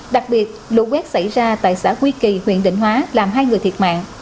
đặc biệt lụ quét xảy ra tại xã quy kỳ huyện đình hóa làm hai người thiệt mạng